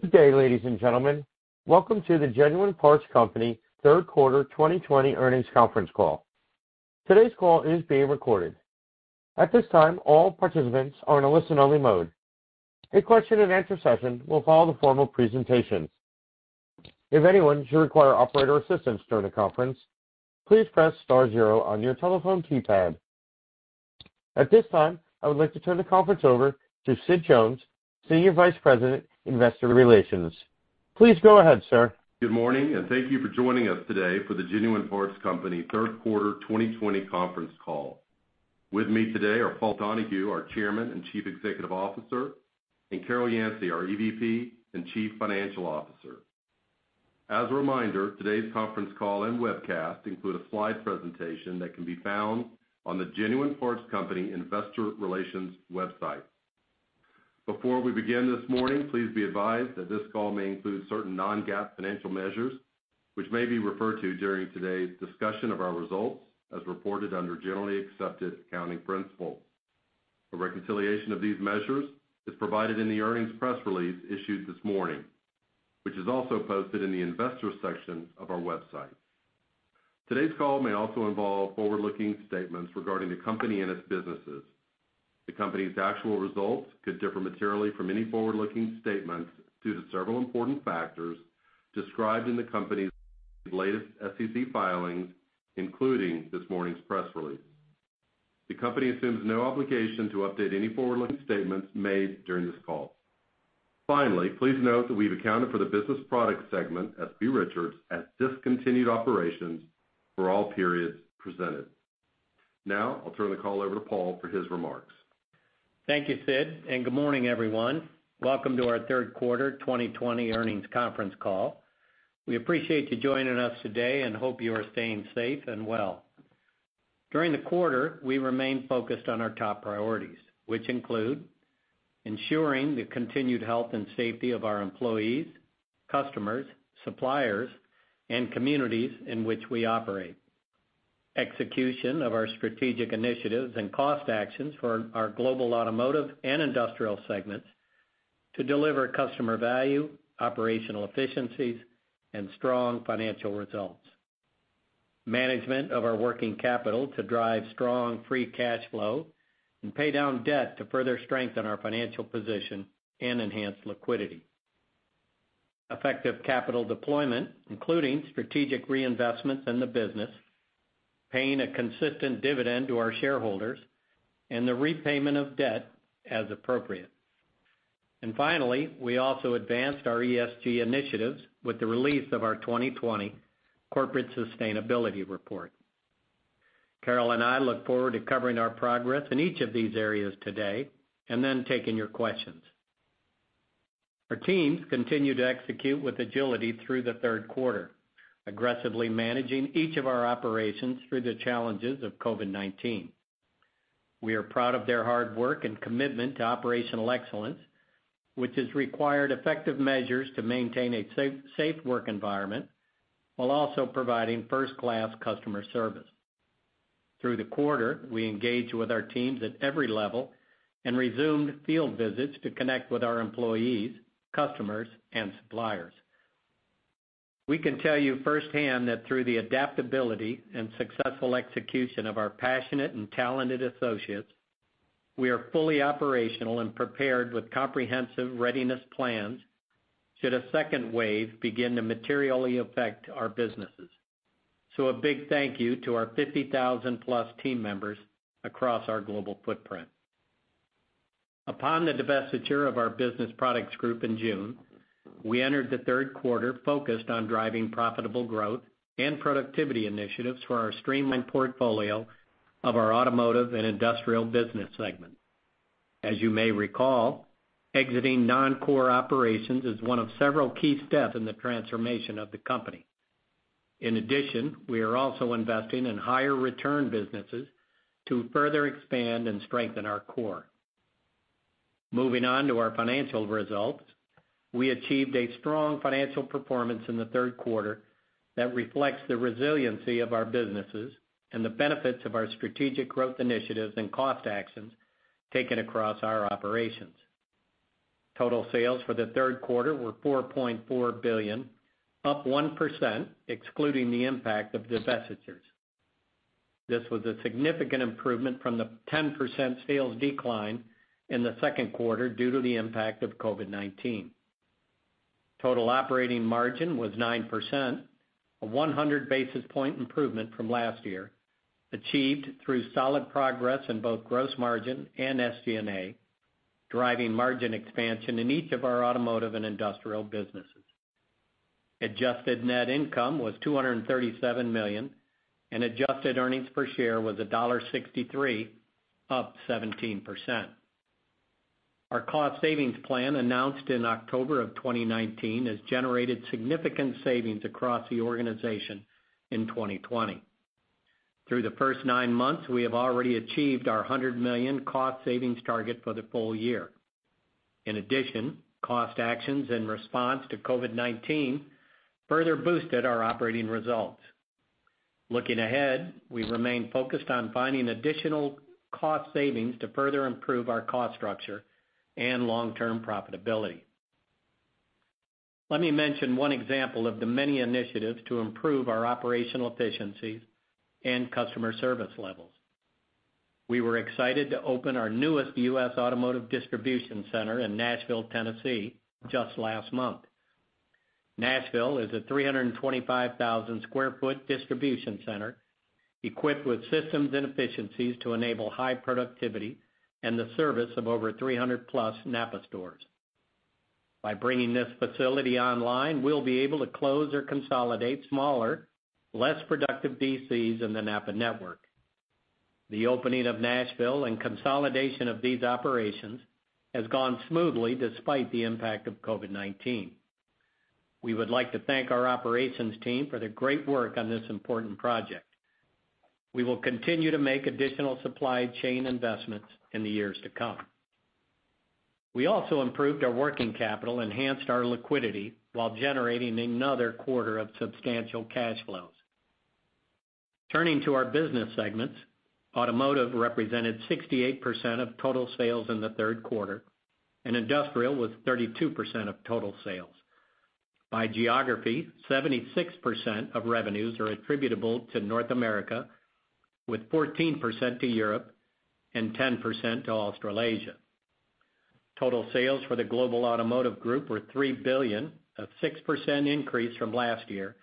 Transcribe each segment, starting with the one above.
Good day, ladies and gentlemen. Welcome to the Genuine Parts Company third quarter 2020 earnings conference call. Today's call is being recorded. At this time, all participants are in a listen-only mode. A question and answer session will follow the formal presentations. If anyone should require operator assistance during the conference, please press star zero on your telephone keypad. At this time, I would like to turn the conference over to Sid Jones, Senior Vice President, Investor Relations. Please go ahead, sir. Good morning, and thank you for joining us today for the Genuine Parts Company third quarter 2020 conference call. With me today are Paul Donahue, our Chairman and Chief Executive Officer, and Carol Yancey, our EVP and Chief Financial Officer. As a reminder, today's conference call and webcast include a slide presentation that can be found on the Genuine Parts Company investor relations website. Before we begin this morning, please be advised that this call may include certain non-GAAP financial measures, which may be referred to during today's discussion of our results as reported under generally accepted accounting principles. A reconciliation of these measures is provided in the earnings press release issued this morning, which is also posted in the investor section of our website. Today's call may also involve forward-looking statements regarding the company and its businesses. The company's actual results could differ materially from any forward-looking statements due to several important factors described in the company's latest SEC filings, including this morning's press release. The company assumes no obligation to update any forward-looking statements made during this call. Finally, please note that we've accounted for the business product segment, S.P. Richards, as discontinued operations for all periods presented. Now, I'll turn the call over to Paul for his remarks. Thank you, Sid, and good morning, everyone. Welcome to our third quarter 2020 earnings conference call. We appreciate you joining us today and hope you are staying safe and well. During the quarter, we remained focused on our top priorities, which include ensuring the continued health and safety of our employees, customers, suppliers, and communities in which we operate. Execution of our strategic initiatives and cost actions for our global automotive and industrial segments to deliver customer value, operational efficiencies, and strong financial results. Management of our working capital to drive strong free cash flow and pay down debt to further strengthen our financial position and enhance liquidity. Effective capital deployment, including strategic reinvestments in the business, paying a consistent dividend to our shareholders, and the repayment of debt as appropriate. Finally, we also advanced our ESG initiatives with the release of our 2020 Corporate Sustainability Report. Carol and I look forward to covering our progress in each of these areas today, and then taking your questions. Our teams continued to execute with agility through the third quarter, aggressively managing each of our operations through the challenges of COVID-19. We are proud of their hard work and commitment to operational excellence, which has required effective measures to maintain a safe work environment while also providing first-class customer service. Through the quarter, we engaged with our teams at every level and resumed field visits to connect with our employees, customers, and suppliers. We can tell you firsthand that through the adaptability and successful execution of our passionate and talented associates, we are fully operational and prepared with comprehensive readiness plans should a second wave begin to materially affect our businesses. A big thank you to our 50,000+ team members across our global footprint. Upon the divestiture of our Business Products Group in June, we entered the third quarter focused on driving profitable growth and productivity initiatives for our streamlined portfolio of our automotive and industrial business segment. As you may recall, exiting non-core operations is one of several key steps in the transformation of the company. In addition, we are also investing in higher return businesses to further expand and strengthen our core. Moving on to our financial results. We achieved a strong financial performance in the third quarter that reflects the resiliency of our businesses and the benefits of our strategic growth initiatives and cost actions taken across our operations. Total sales for the third quarter were $4.4 billion, up 1%, excluding the impact of divestitures. This was a significant improvement from the 10% sales decline in the second quarter due to the impact of COVID-19. Total operating margin was 9%, a 100-basis point improvement from last year, achieved through solid progress in both gross margin and SG&A, driving margin expansion in each of our automotive and industrial businesses. Adjusted net income was $237 million, and adjusted earnings per share was $1.63, up 17%. Our cost savings plan announced in October of 2019 has generated significant savings across the organization in 2020. Through the first nine months, we have already achieved our $100 million cost savings target for the full year. In addition, cost actions in response to COVID-19 further boosted our operating results. Looking ahead, we remain focused on finding additional cost savings to further improve our cost structure and long-term profitability. Let me mention one example of the many initiatives to improve our operational efficiencies and customer service levels. We were excited to open our newest U.S. automotive distribution center in Nashville, Tennessee, just last month. Nashville is a 325,000 sq ft distribution center equipped with systems and efficiencies to enable high productivity and the service of over 300+ NAPA stores. By bringing this facility online, we'll be able to close or consolidate smaller, less productive DCs in the NAPA network. The opening of Nashville and consolidation of these operations has gone smoothly despite the impact of COVID-19. We would like to thank our operations team for their great work on this important project. We will continue to make additional supply chain investments in the years to come. We also improved our working capital, enhanced our liquidity while generating another quarter of substantial cash flows. Turning to our business segments, automotive represented 68% of total sales in the third quarter, and industrial was 32% of total sales. By geography, 76% of revenues are attributable to North America, with 14% to Europe and 10% to Australasia. Total sales for the global automotive group were $3 billion, a 6% increase from last year,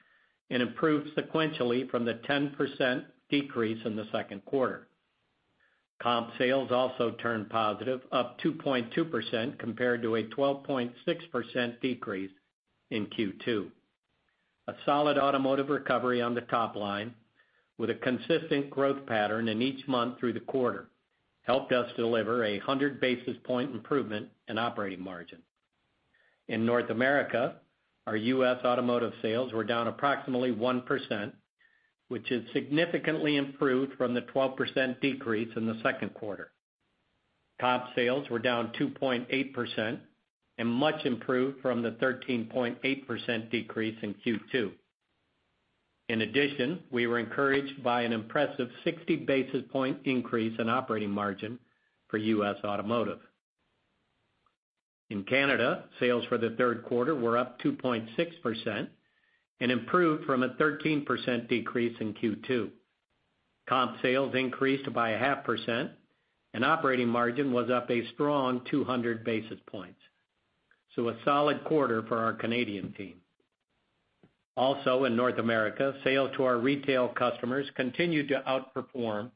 and improved sequentially from the 10% decrease in the second quarter. Comp sales also turned positive, up 2.2% compared to a 12.6% decrease in Q2. A solid automotive recovery on the top line, with a consistent growth pattern in each month through the quarter, helped us deliver 100 basis point improvement in operating margin. In North America, our U.S. automotive sales were down approximately 1%, which is significantly improved from the 12% decrease in the second quarter. Comp sales were down 2.8% and much improved from the 13.8% decrease in Q2. In addition, we were encouraged by an impressive 60 basis point increase in operating margin for U.S. automotive. In Canada, sales for the third quarter were up 2.6% and improved from a 13% decrease in Q2. Comp sales increased by a half percent, and operating margin was up a strong 200 basis points. A solid quarter for our Canadian team. Also in North America, sales to our retail customers continued to outperform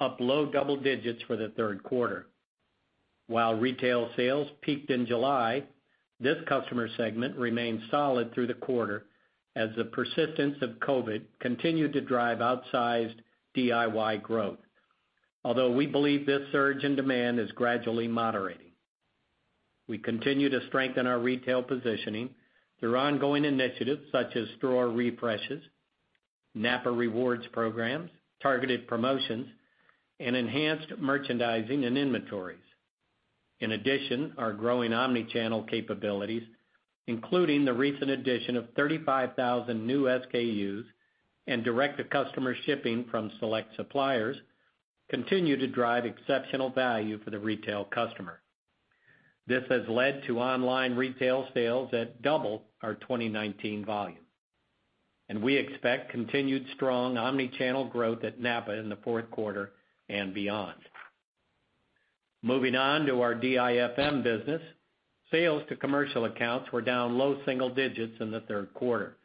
up low double digits for the third quarter. While retail sales peaked in July, this customer segment remained solid through the quarter as the persistence of COVID-19 continued to drive outsized DIY growth. We believe this surge in demand is gradually moderating. We continue to strengthen our retail positioning through ongoing initiatives such as store refreshes, NAPA Rewards programs, targeted promotions, and enhanced merchandising and inventories. In addition, our growing omni-channel capabilities, including the recent addition of 35,000 new SKUs and direct-to-customer shipping from select suppliers, continue to drive exceptional value for the retail customer. This has led to online retail sales at double our 2019 volume, and we expect continued strong omni-channel growth at NAPA in the fourth quarter and beyond. Moving on to our DIFM business, sales to commercial accounts were down low single digits in the third quarter,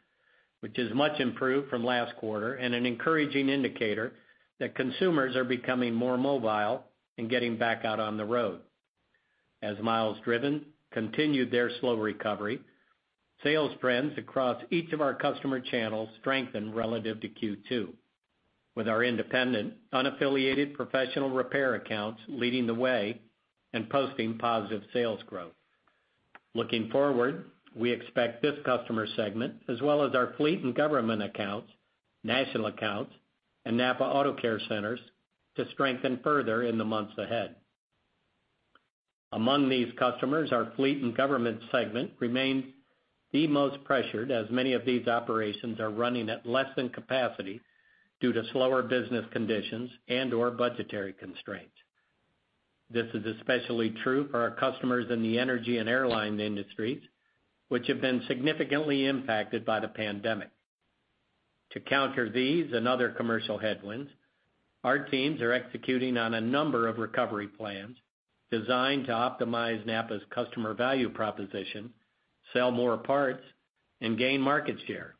which is much improved from last quarter and an encouraging indicator that consumers are becoming more mobile and getting back out on the road. As miles driven continued their slow recovery, sales trends across each of our customer channels strengthened relative to Q2, with our independent, unaffiliated professional repair accounts leading the way and posting positive sales growth. Looking forward, we expect this customer segment, as well as our fleet and government accounts, national accounts, and NAPA Auto Care centers to strengthen further in the months ahead. Among these customers, our fleet and government segment remains the most pressured, as many of these operations are running at less than capacity due to slower business conditions and/or budgetary constraints. This is especially true for our customers in the energy and airline industries, which have been significantly impacted by the pandemic. To counter these and other commercial headwinds, our teams are executing on a number of recovery plans designed to optimize NAPA's customer value proposition, sell more parts, and gain market share.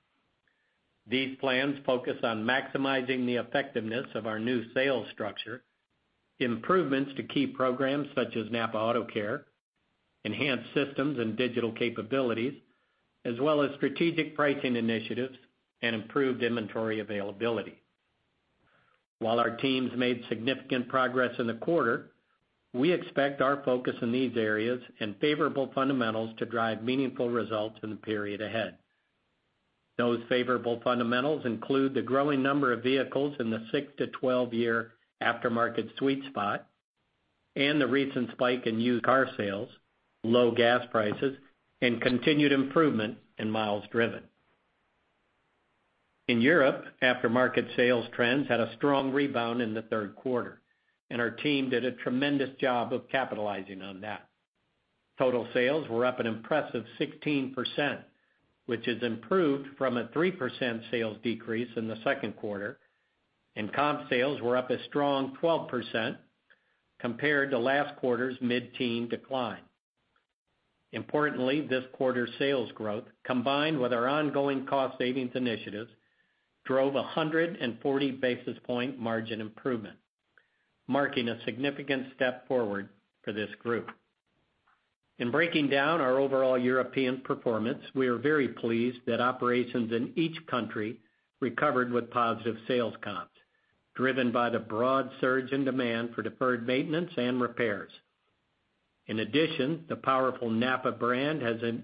These plans focus on maximizing the effectiveness of our new sales structure, improvements to key programs such as NAPA Auto Care, enhanced systems and digital capabilities, as well as strategic pricing initiatives and improved inventory availability. While our teams made significant progress in the quarter, we expect our focus in these areas and favorable fundamentals to drive meaningful results in the period ahead. Those favorable fundamentals include the growing number of vehicles in the 6-12-year aftermarket sweet spot. The recent spike in used car sales, low gas prices, and continued improvement in miles driven. In Europe, aftermarket sales trends had a strong rebound in the third quarter, and our team did a tremendous job of capitalizing on that. Total sales were up an impressive 16%, which has improved from a 3% sales decrease in the second quarter, and comp sales were up a strong 12% compared to last quarter's mid-teen decline. Importantly, this quarter's sales growth, combined with our ongoing cost savings initiatives, drove 140 basis point margin improvement, marking a significant step forward for this group. In breaking down our overall European performance, we are very pleased that operations in each country recovered with positive sales comps, driven by the broad surge in demand for deferred maintenance and repairs. In addition, the powerful NAPA brand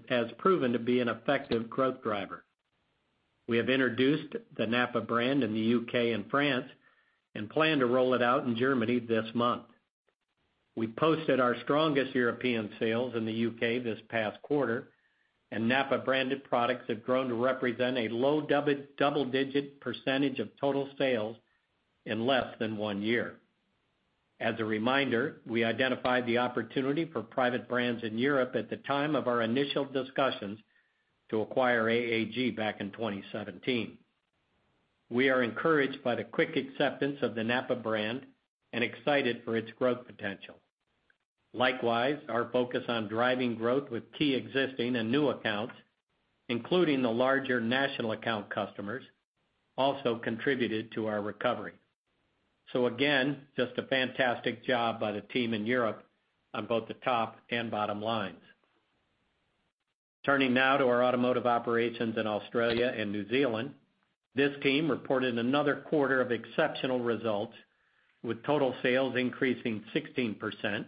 has proven to be an effective growth driver. We have introduced the NAPA brand in the U.K. and France and plan to roll it out in Germany this month. We posted our strongest European sales in the U.K. this past quarter, and NAPA-branded products have grown to represent a low-double-digit percentage of total sales in less than one year. As a reminder, we identified the opportunity for private brands in Europe at the time of our initial discussions to acquire AAG back in 2017. We are encouraged by the quick acceptance of the NAPA brand and excited for its growth potential. Likewise, our focus on driving growth with key existing and new accounts, including the larger national account customers, also contributed to our recovery. Again, just a fantastic job by the team in Europe on both the top and bottom lines. Turning now to our automotive operations in Australia and New Zealand. This team reported another quarter of exceptional results with total sales increasing 16%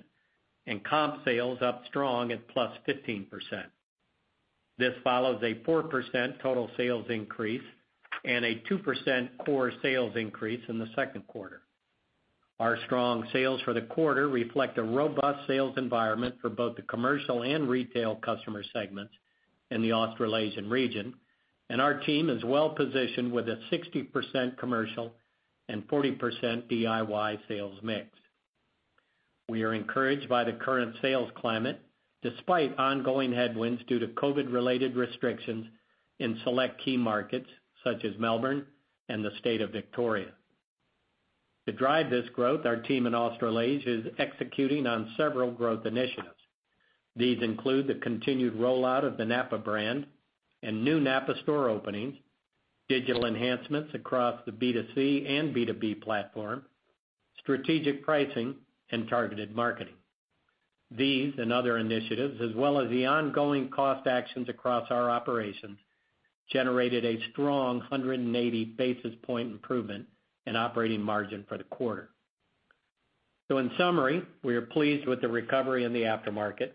and comp sales up strong at +15%. This follows a 4% total sales increase and a 2% core sales increase in the second quarter. Our strong sales for the quarter reflect a robust sales environment for both the commercial and retail customer segments in the Australasian region. Our team is well-positioned with a 60% commercial and 40% DIY sales mix. We are encouraged by the current sales climate, despite ongoing headwinds due to COVID-related restrictions in select key markets such as Melbourne and the state of Victoria. To drive this growth, our team in Australasia is executing on several growth initiatives. These include the continued rollout of the NAPA brand and new NAPA store openings, digital enhancements across the B2C and B2B platform, strategic pricing, and targeted marketing. These and other initiatives, as well as the ongoing cost actions across our operations, generated a strong 180 basis point improvement in operating margin for the quarter. In summary, we are pleased with the recovery in the aftermarket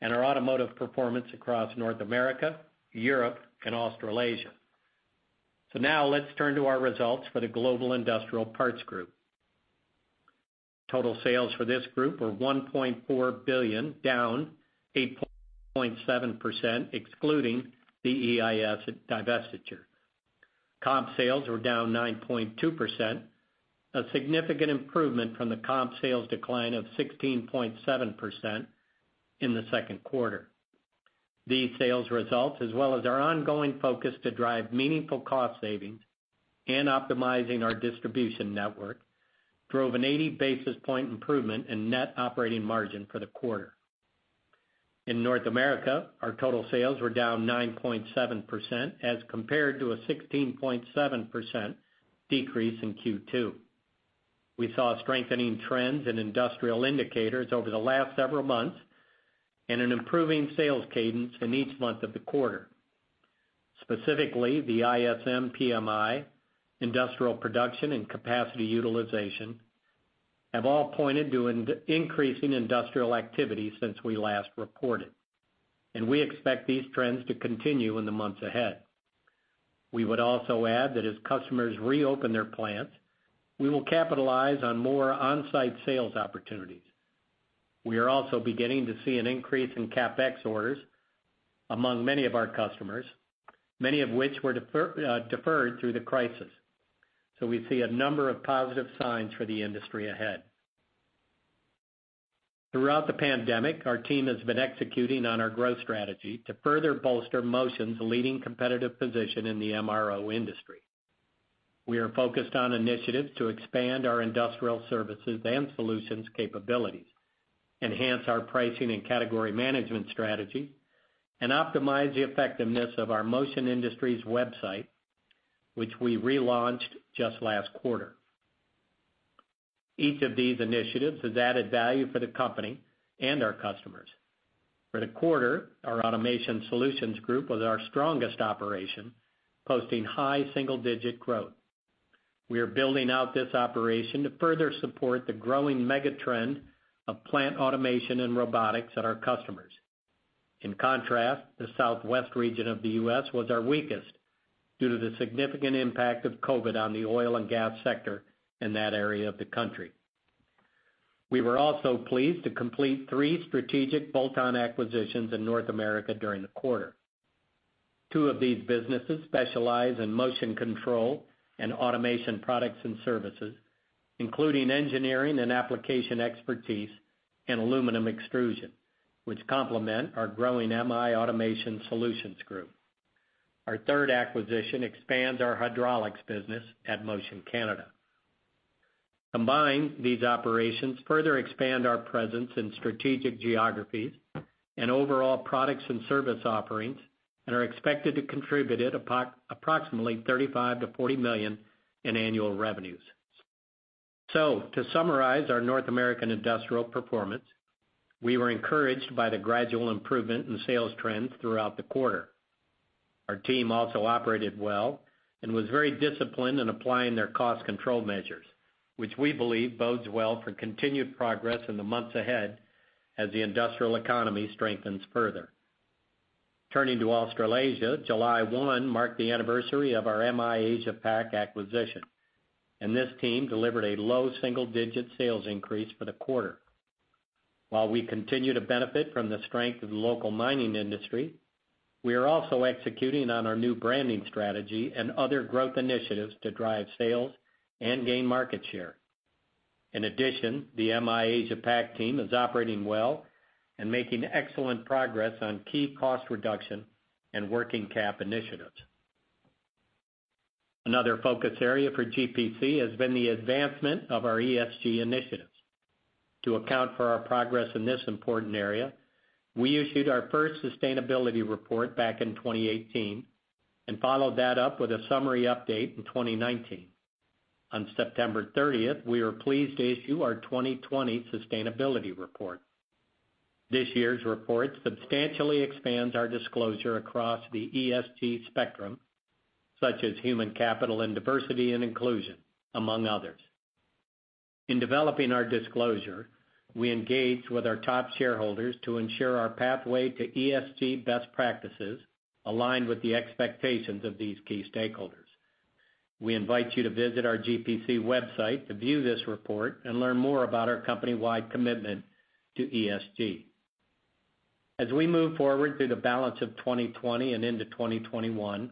and our automotive performance across North America, Europe and Australasia. Now let's turn to our results for the Global Industrial Parts Group. Total sales for this group were $1.4 billion, down 8.7%, excluding the EIS divestiture. Comp sales were down 9.2%, a significant improvement from the comp sales decline of 16.7% in the second quarter. These sales results, as well as our ongoing focus to drive meaningful cost savings and optimizing our distribution network, drove an 80 basis point improvement in net operating margin for the quarter. In North America, our total sales were down 9.7% as compared to a 16.7% decrease in Q2. We saw strengthening trends in industrial indicators over the last several months and an improving sales cadence in each month of the quarter. Specifically, the ISM PMI, industrial production, and capacity utilization have all pointed to increasing industrial activity since we last reported. We expect these trends to continue in the months ahead. We would also add that as customers reopen their plants, we will capitalize on more on-site sales opportunities. We are also beginning to see an increase in CapEx orders among many of our customers, many of which were deferred through the crisis. We see a number of positive signs for the industry ahead. Throughout the pandemic, our team has been executing on our growth strategy to further bolster Motion's leading competitive position in the MRO industry. We are focused on initiatives to expand our industrial services and solutions capabilities, enhance our pricing and category management strategy, and optimize the effectiveness of our Motion Industries website, which we relaunched just last quarter. Each of these initiatives is added value for the company and our customers. For the quarter, our Automation Solutions Group was our strongest operation, posting high single-digit growth. We are building out this operation to further support the growing mega-trend of plant automation and robotics at our customers. In contrast, the Southwest region of the U.S. was our weakest due to the significant impact of COVID-19 on the oil and gas sector in that area of the country. We were also pleased to complete three strategic bolt-on acquisitions in North America during the quarter. Two of these businesses specialize in motion control and automation products and services, including engineering and application expertise in aluminum extrusion, which complement our growing Mi Automation Solutions group. Our third acquisition expands our hydraulics business at Motion Canada. Combined, these operations further expand our presence in strategic geographies and overall products and service offerings and are expected to contribute approximately $35 million-$40 million in annual revenues. To summarize our North American industrial performance, we were encouraged by the gradual improvement in sales trends throughout the quarter. Our team also operated well and was very disciplined in applying their cost control measures, which we believe bodes well for continued progress in the months ahead as the industrial economy strengthens further. Turning to Australasia, July 1 marked the anniversary of our Mi Asia Pac acquisition, and this team delivered a low single-digit sales increase for the quarter. While we continue to benefit from the strength of the local mining industry, we are also executing on our new branding strategy and other growth initiatives to drive sales and gain market share. In addition, the Mi Asia Pac team is operating well and making excellent progress on key cost reduction and working cap initiatives. Another focus area for GPC has been the advancement of our ESG initiatives. To account for our progress in this important area, we issued our first sustainability report back in 2018 and followed that up with a summary update in 2019. On September 30th, we are pleased to issue our 2020 sustainability report. This year's report substantially expands our disclosure across the ESG spectrum, such as human capital and diversity and inclusion, among others. In developing our disclosure, we engaged with our top shareholders to ensure our pathway to ESG best practices aligned with the expectations of these key stakeholders. We invite you to visit our GPC website to view this report and learn more about our company-wide commitment to ESG. As we move forward through the balance of 2020 and into 2021,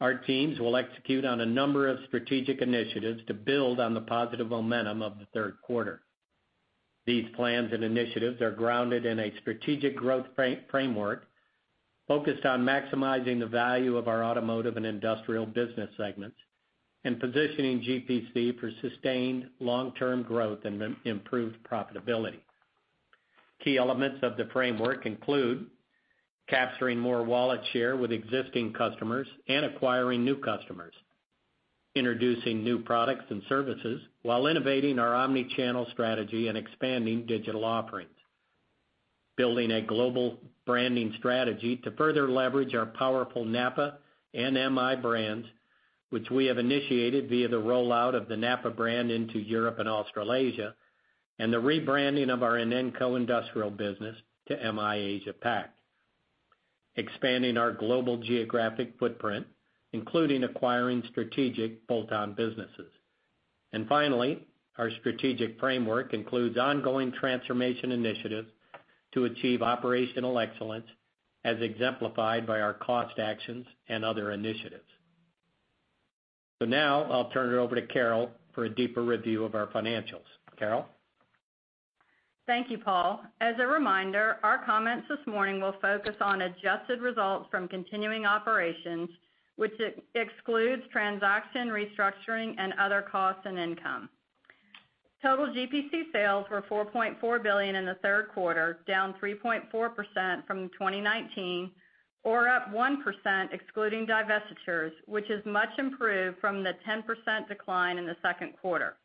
our teams will execute on a number of strategic initiatives to build on the positive momentum of the third quarter. These plans and initiatives are grounded in a strategic growth framework focused on maximizing the value of our automotive and industrial business segments and positioning GPC for sustained long-term growth and improved profitability. Key elements of the framework include capturing more wallet share with existing customers and acquiring new customers. Introducing new products and services while innovating our omni-channel strategy and expanding digital offerings. Building a global branding strategy to further leverage our powerful NAPA and Mi brands, which we have initiated via the rollout of the NAPA brand into Europe and Australasia and the rebranding of our Inenco industrial business to Mi Asia Pac. Expanding our global geographic footprint, including acquiring strategic bolt-on businesses. Finally, our strategic framework includes ongoing transformation initiatives to achieve operational excellence, as exemplified by our cost actions and other initiatives. Now I'll turn it over to Carol for a deeper review of our financials. Carol? Thank you, Paul. As a reminder, our comments this morning will focus on adjusted results from continuing operations, which excludes transaction restructuring and other costs and income. Total GPC sales were $4.4 billion in the third quarter, down 3.4% from 2019, or up 1% excluding divestitures, which is much improved from the 10% decline in the second quarter.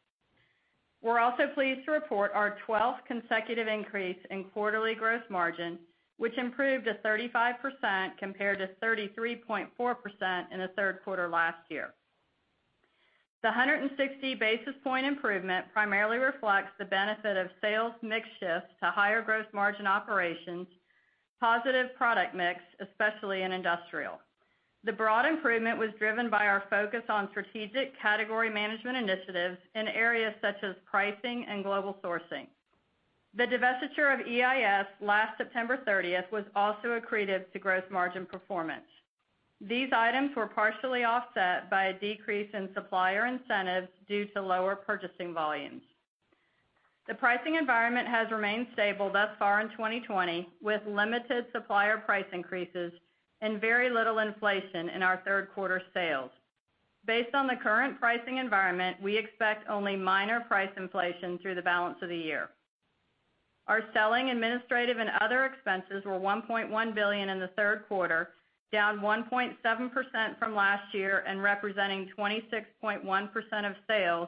We're also pleased to report our 12th consecutive increase in quarterly gross margin, which improved to 35% compared to 33.4% in the third quarter last year. The 160-basis point improvement primarily reflects the benefit of sales mix shift to higher gross margin operations, positive product mix, especially in industrial. The broad improvement was driven by our focus on strategic category management initiatives in areas such as pricing and global sourcing. The divestiture of EIS last September 30th was also accretive to gross margin performance. These items were partially offset by a decrease in supplier incentives due to lower purchasing volumes. The pricing environment has remained stable thus far in 2020, with limited supplier price increases and very little inflation in our third quarter sales. Based on the current pricing environment, we expect only minor price inflation through the balance of the year. Our selling administrative and other expenses were $1.1 billion in the third quarter, down 1.7% from last year and representing 26.1% of sales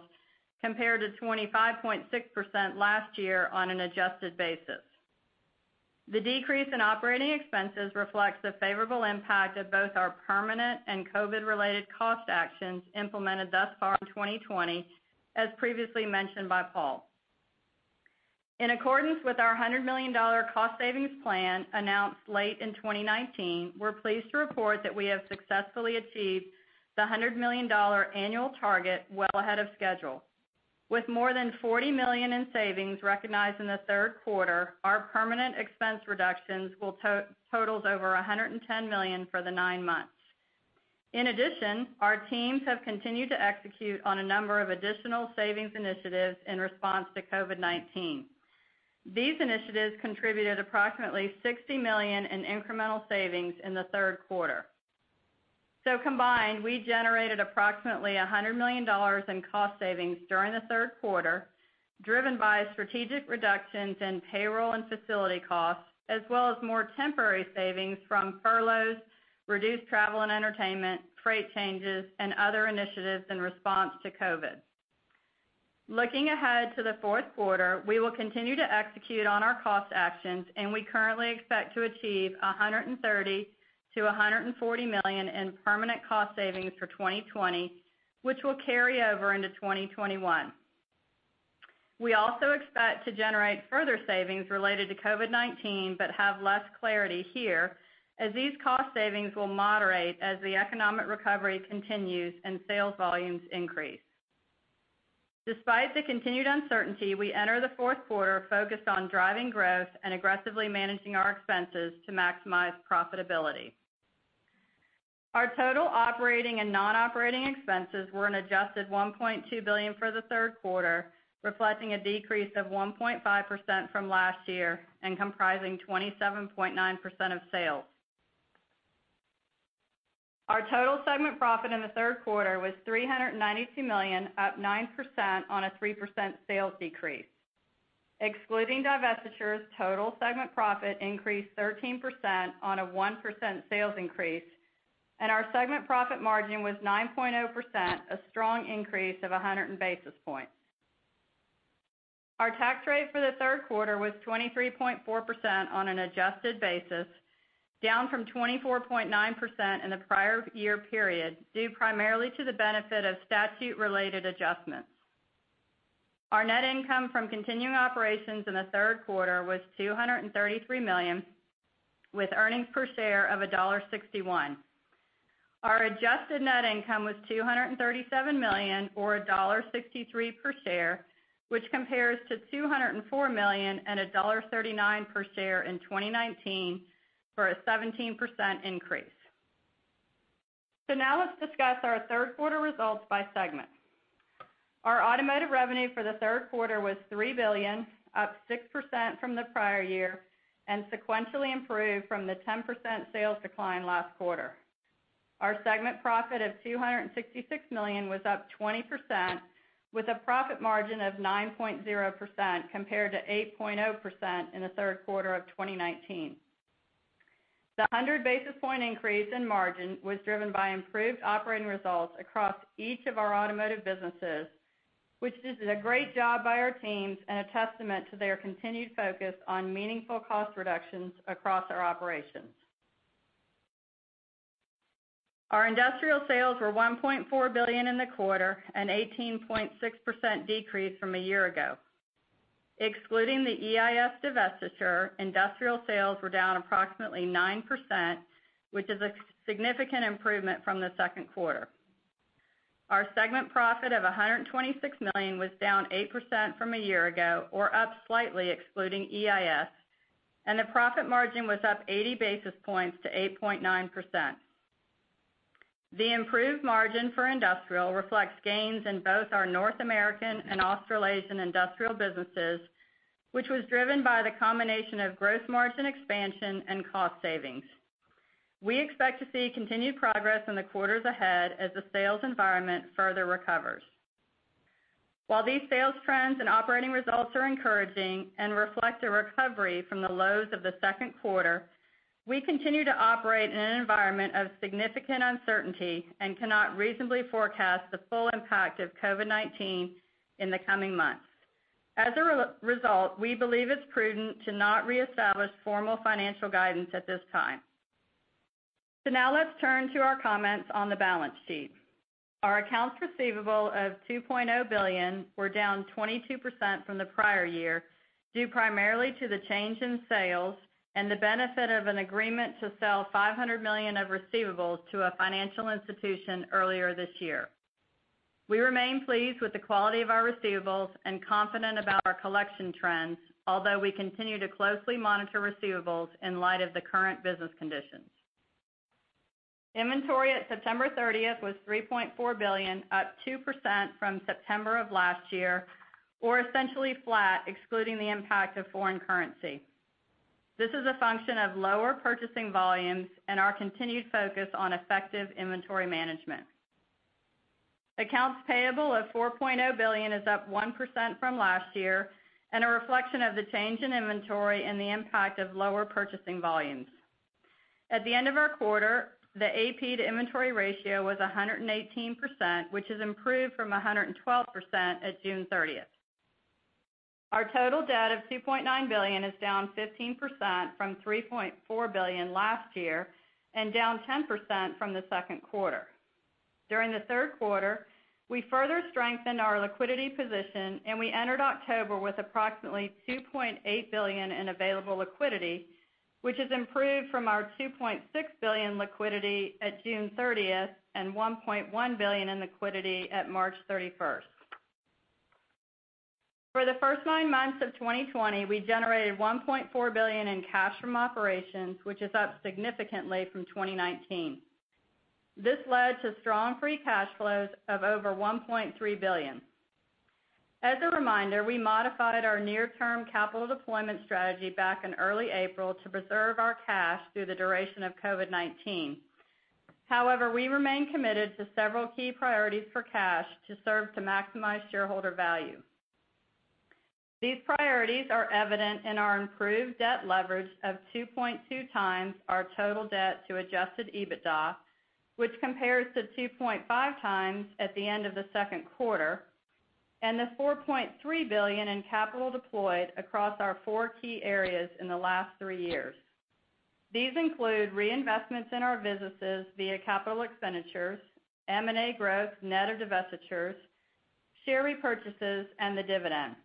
compared to 25.6% last year on an adjusted basis. The decrease in operating expenses reflects the favorable impact of both our permanent and COVID-related cost actions implemented thus far in 2020, as previously mentioned by Paul. In accordance with our $100 million cost savings plan announced late in 2019, we're pleased to report that we have successfully achieved the $100 million annual target well ahead of schedule. With more than $40 million in savings recognized in the third quarter, our permanent expense reductions will total over $110 million for the nine months. Our teams have continued to execute on a number of additional savings initiatives in response to COVID-19. These initiatives contributed approximately $60 million in incremental savings in the third quarter. Combined, we generated approximately $100 million in cost savings during the third quarter, driven by strategic reductions in payroll and facility costs, as well as more temporary savings from furloughs, reduced travel and entertainment, freight changes, and other initiatives in response to COVID. Looking ahead to the fourth quarter, we will continue to execute on our cost actions, and we currently expect to achieve $130 million-$140 million in permanent cost savings for 2020, which will carry over into 2021. We also expect to generate further savings related to COVID-19, but have less clarity here, as these cost savings will moderate as the economic recovery continues and sales volumes increase. Despite the continued uncertainty, we enter the fourth quarter focused on driving growth and aggressively managing our expenses to maximize profitability. Our total operating and non-operating expenses were an adjusted $1.2 billion for the third quarter, reflecting a decrease of 1.5% from last year and comprising 27.9% of sales. Our total segment profit in the third quarter was $392 million, up 9% on a 3% sales decrease. Excluding divestitures, total segment profit increased 13% on a 1% sales increase, and our segment profit margin was 9.0%, a strong increase of 100 basis points. Our tax rate for the third quarter was 23.4% on an adjusted basis, down from 24.9% in the prior year period, due primarily to the benefit of statute-related adjustments. Our net income from continuing operations in the third quarter was $233 million, with earnings per share of $1.61. Our adjusted net income was $237 million, or $1.63 per share, which compares to $204 million and $1.39 per share in 2019, for a 17% increase. Now let's discuss our third quarter results by segment. Our automotive revenue for the third quarter was $3 billion, up 6% from the prior year, and sequentially improved from the 10% sales decline last quarter. Our segment profit of $266 million was up 20%, with a profit margin of 9.0% compared to 8.0% in the third quarter of 2019. The 100 basis point increase in margin was driven by improved operating results across each of our automotive businesses, which is a great job by our teams and a testament to their continued focus on meaningful cost reductions across our operations. Our industrial sales were $1.4 billion in the quarter, an 18.6% decrease from a year ago. Excluding the EIS divestiture, industrial sales were down approximately 9%, which is a significant improvement from the second quarter. Our segment profit of $126 million was down 8% from a year ago, or up slightly excluding EIS, and the profit margin was up 80 basis points to 8.9%. The improved margin for industrial reflects gains in both our North American and Australasian industrial businesses, which was driven by the combination of gross margin expansion and cost savings. We expect to see continued progress in the quarters ahead as the sales environment further recovers. While these sales trends and operating results are encouraging and reflect a recovery from the lows of the second quarter, we continue to operate in an environment of significant uncertainty and cannot reasonably forecast the full impact of COVID-19 in the coming months. As a result, we believe it's prudent to not reestablish formal financial guidance at this time. Now let's turn to our comments on the balance sheet. Our accounts receivable of $2.0 billion were down 22% from the prior year, due primarily to the change in sales and the benefit of an agreement to sell $500 million of receivables to a financial institution earlier this year. We remain pleased with the quality of our receivables and confident about our collection trends, although we continue to closely monitor receivables in light of the current business conditions. Inventory at September 30th was $3.4 billion, up 2% from September of last year, or essentially flat excluding the impact of foreign currency. This is a function of lower purchasing volumes and our continued focus on effective inventory management. Accounts payable of $4.0 billion is up 1% from last year and a reflection of the change in inventory and the impact of lower purchasing volumes. At the end of our quarter, the AP to inventory ratio was 118%, which is improved from 112% at June 30th. Our total debt of $2.9 billion is down 15% from $3.4 billion last year and down 10% from the second quarter. During the third quarter, we further strengthened our liquidity position, and we entered October with approximately $2.8 billion in available liquidity, which has improved from our $2.6 billion liquidity at June 30th and $1.1 billion in liquidity at March 31st. For the first nine months of 2020, we generated $1.4 billion in cash from operations, which is up significantly from 2019. This led to strong free cash flows of over $1.3 billion. As a reminder, we modified our near-term capital deployment strategy back in early April to preserve our cash through the duration of COVID-19. However, we remain committed to several key priorities for cash to serve to maximize shareholder value. These priorities are evident in our improved debt leverage of 2.2x our total debt to adjusted EBITDA, which compares to 2.5x at the end of the second quarter, and the $4.3 billion in capital deployed across our four key areas in the last three years. These include reinvestments in our businesses via capital expenditures, M&A growth, net of divestitures, share repurchases, and the dividend.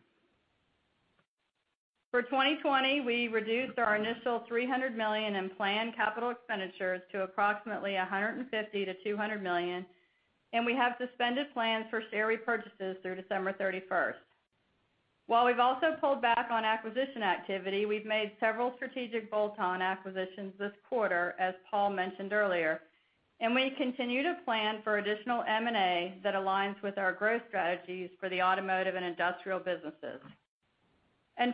For 2020, we reduced our initial $300 million in planned capital expenditures to approximately $150 million-$200 million, and we have suspended plans for share repurchases through December 31st. While we've also pulled back on acquisition activity, we've made several strategic bolt-on acquisitions this quarter, as Paul mentioned earlier, and we continue to plan for additional M&A that aligns with our growth strategies for the automotive and industrial businesses.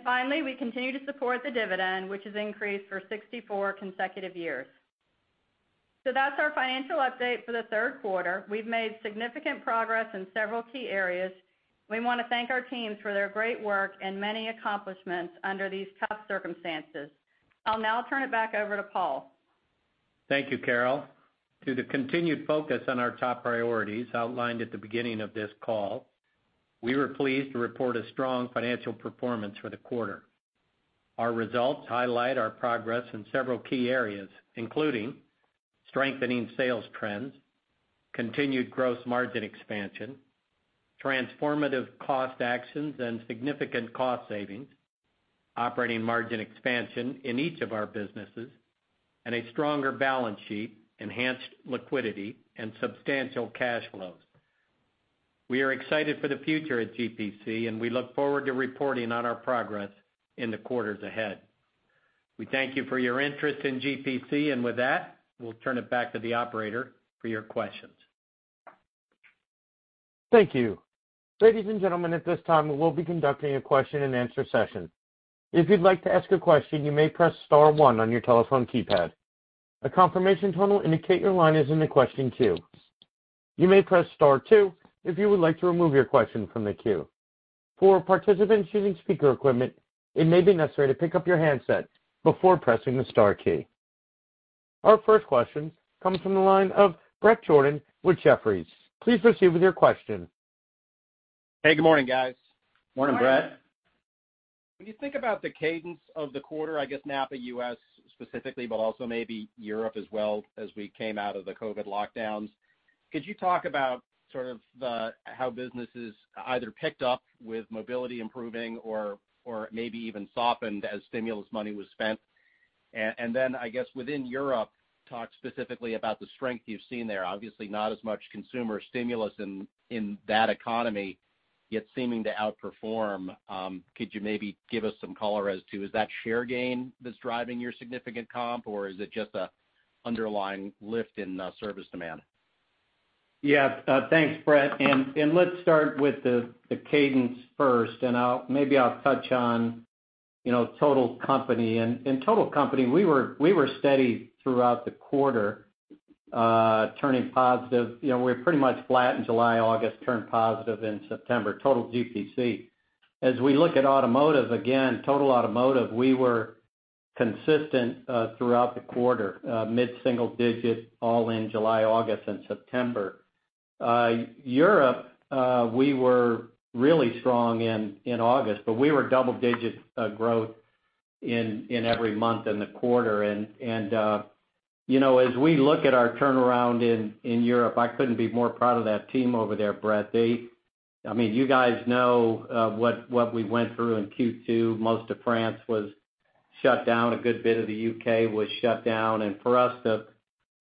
Finally, we continue to support the dividend, which has increased for 64 consecutive years. That's our financial update for the third quarter. We've made significant progress in several key areas. We want to thank our teams for their great work and many accomplishments under these tough circumstances. I'll now turn it back over to Paul. Thank you, Carol. Due to continued focus on our top priorities outlined at the beginning of this call, we were pleased to report a strong financial performance for the quarter. Our results highlight our progress in several key areas, including strengthening sales trends, continued gross margin expansion, transformative cost actions and significant cost savings, operating margin expansion in each of our businesses, and a stronger balance sheet, enhanced liquidity, and substantial cash flows. We are excited for the future at GPC, and we look forward to reporting on our progress in the quarters ahead. We thank you for your interest in GPC, with that, we'll turn it back to the operator for your questions. Thank you. Our first question comes from the line of Bret Jordan with Jefferies. Please proceed with your question. Hey, good morning, guys. Morning, Bret. Hi. When you think about the cadence of the quarter, I guess NAPA U.S. specifically, but also maybe Europe as well as we came out of the COVID-19 lockdowns, could you talk about sort of how businesses either picked up with mobility improving or maybe even softened as stimulus money was spent? I guess within Europe, talk specifically about the strength you've seen there. Not as much consumer stimulus in that economy, yet seeming to outperform. Could you maybe give us some color as to is that share gain that's driving your significant comp, or is it just a underlying lift in service demand? Yeah. Thanks, Bret. Let's start with the cadence first, and maybe I'll touch on total company. In total company, we were steady throughout the quarter, turning positive. We were pretty much flat in July, August, turned positive in September, total GPC. As we look at automotive, again, total automotive, we were consistent throughout the quarter, mid-single digit all in July, August, and September. Europe, we were really strong in August, but we were double-digit growth in every month in the quarter. As we look at our turnaround in Europe, I couldn't be more proud of that team over there, Bret. You guys know what we went through in Q2. Most of France was shut down. A good bit of the U.K. was shut down. For us to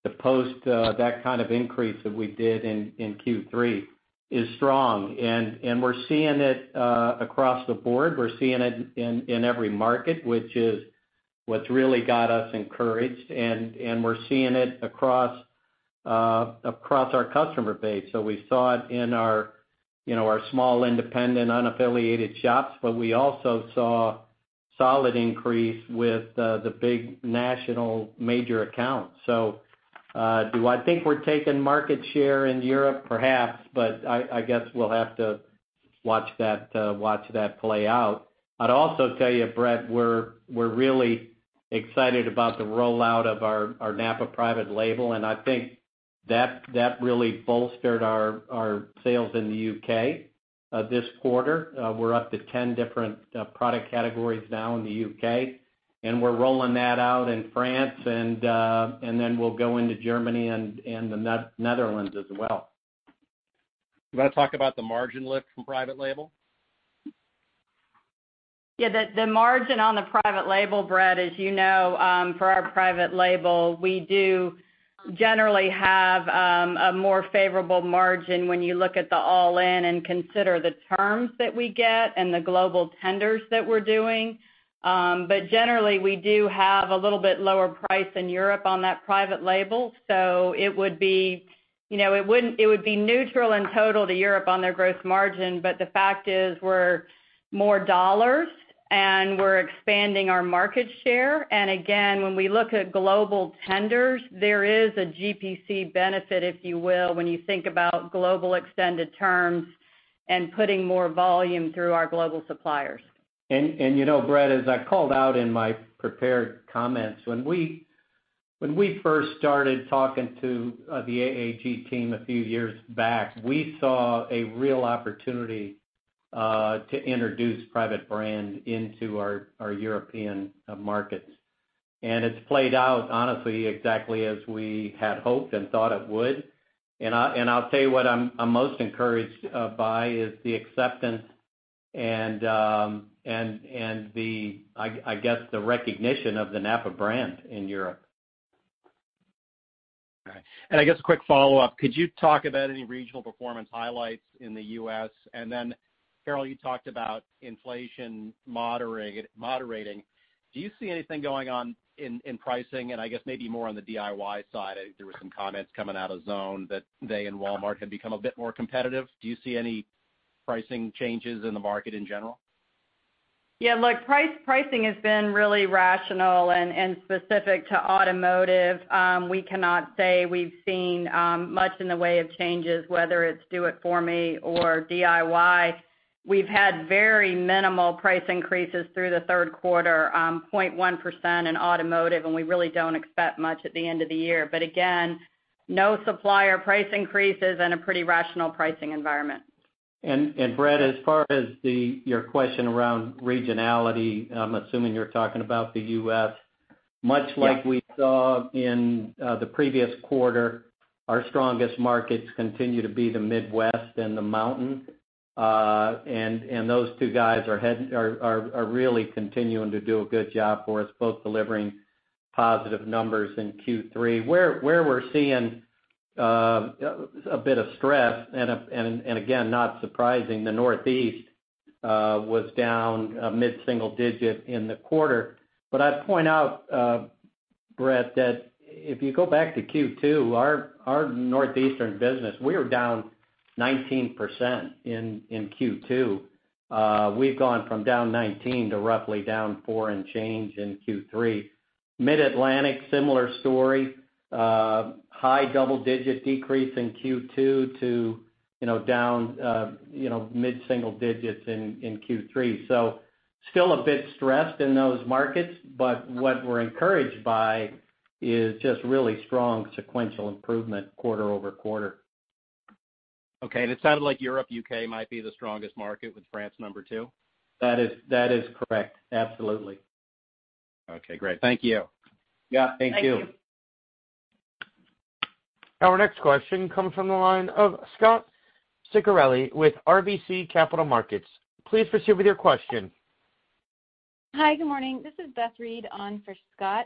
post that kind of increase that we did in Q3 is strong, and we're seeing it across the board. We're seeing it in every market, which is what's really got us encouraged, and we're seeing it across our customer base. We saw it in our small, independent, unaffiliated shops, but we also saw solid increase with the big national major accounts. Do I think we're taking market share in Europe? Perhaps, but I guess we'll have to watch that play out. I'd also tell you, Bret, we're really excited about the rollout of our NAPA private label, and I think that really bolstered our sales in the U.K. this quarter. We're up to 10 different product categories now in the U.K., we're rolling that out in France, we'll go into Germany and the Netherlands as well. Do you want to talk about the margin lift from private label? Yeah. The margin on the private label, Bret, as you know, for our private label, we do generally have a more favorable margin when you look at the all-in and consider the terms that we get and the global tenders that we're doing. Generally, we do have a little bit lower price in Europe on that private label. It would be neutral in total to Europe on their gross margin. The fact is we're more dollars, and we're expanding our market share. Again, when we look at global tenders, there is a GPC benefit, if you will, when you think about global extended terms and putting more volume through our global suppliers. Bret, as I called out in my prepared comments, when we first started talking to the AAG team a few years back, we saw a real opportunity to introduce private brand into our European markets. It's played out honestly, exactly as we had hoped and thought it would. I'll tell you what I'm most encouraged by is the acceptance and the, I guess, the recognition of the NAPA brand in Europe. All right. I guess a quick follow-up, could you talk about any regional performance highlights in the U.S.? Carol, you talked about inflation moderating. Do you see anything going on in pricing and I guess maybe more on the DIY side? There were some comments coming out of AutoZone that they and Walmart had become a bit more competitive. Do you see any pricing changes in the market in general? Look, pricing has been really rational and specific to automotive. We cannot say we've seen much in the way of changes, whether it's do it for me or DIY. We've had very minimal price increases through the third quarter, 0.1% in automotive. We really don't expect much at the end of the year. Again, no supplier price increases and a pretty rational pricing environment. Bret, as far as your question around regionality, I'm assuming you're talking about the U.S.? Yes. Much like we saw in the previous quarter, our strongest markets continue to be the Midwest and the Mountain. Those two guys are really continuing to do a good job for us, both delivering positive numbers in Q3. Where we're seeing a bit of stress, and again, not surprising, the Northeast was down mid-single digit in the quarter. I'd point out, Bret, that if you go back to Q2, our Northeastern business, we were down 19% in Q2. We've gone from down 19% to roughly down 4% and change in Q3. Mid-Atlantic, similar story. High double-digit decrease in Q2 to down mid-single digits in Q3. Still a bit stressed in those markets, but what we're encouraged by is just really strong sequential improvement quarter-over-quarter. Okay. It sounded like Europe, U.K. might be the strongest market with France number two? That is correct. Absolutely. Okay, great. Thank you. Yeah, thank you. Thank you. Our next question comes from the line of Scot Ciccarelli with RBC Capital Markets. Please proceed with your question. Hi, good morning. This is Beth Reed on for Scot.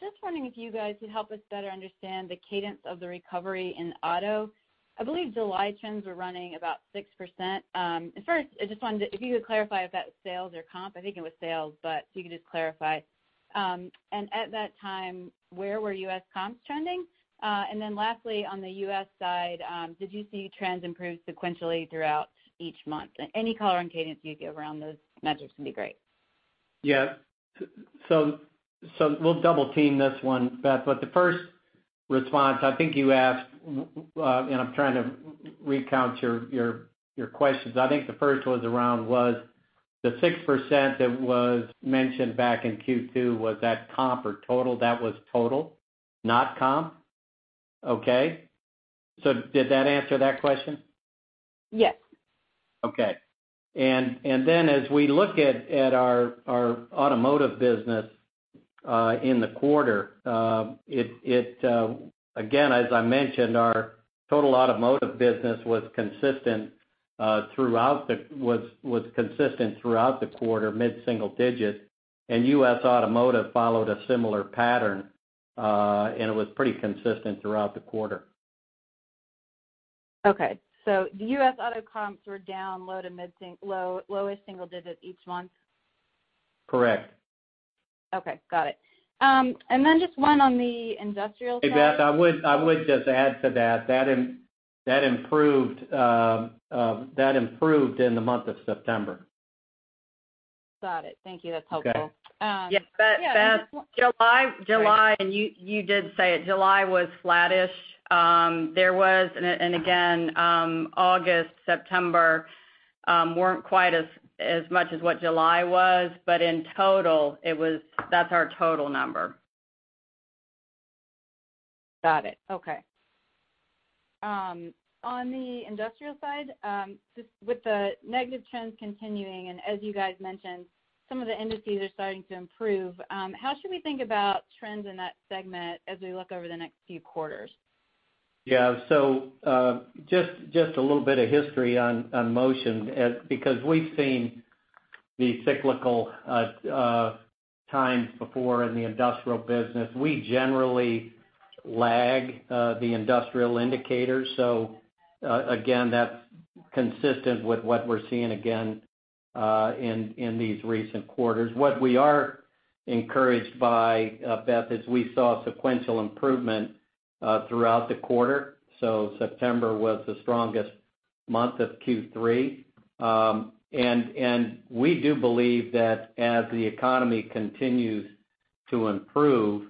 Just wondering if you guys could help us better understand the cadence of the recovery in auto. I believe July trends were running about 6%. First, I just wondered if you could clarify if that was sales or comp. I think it was sales, but if you could just clarify. At that time, where were U.S. comps trending? Lastly, on the U.S. side, did you see trends improve sequentially throughout each month? Any color and cadence you could give around those metrics would be great. Yeah. We'll double team this one, Beth, the first response, I think you asked, and I'm trying to recount your questions. I think the first was around was the 6% that was mentioned back in Q2, was that comp or total? That was total, not comp. Okay. Did that answer that question? Yes. Okay. As we look at our automotive business in the quarter, again, as I mentioned, our total automotive business was consistent throughout the quarter, mid-single digit. U.S. automotive followed a similar pattern. It was pretty consistent throughout the quarter. Okay. The U.S. auto comps were down low to lowest single digit each month? Correct. Okay. Got it. Just one on the industrial side. Hey, Beth, I would just add to that improved in the month of September. Got it. Thank you. That's helpful. Okay. Yeah, Beth. July. You did say it, July was flattish. August, September, weren't quite as much as what July was. In total, that's our total number. Got it. Okay. On the industrial side, just with the negative trends continuing, and as you guys mentioned, some of the industries are starting to improve. How should we think about trends in that segment as we look over the next few quarters? Just a little bit of history on Motion, because we've seen the cyclical times before in the industrial business. We generally lag the industrial indicators. Again, that's consistent with what we're seeing again, in these recent quarters. What we are encouraged by, Beth, is we saw sequential improvement throughout the quarter. September was the strongest month of Q3. We do believe that as the economy continues to improve,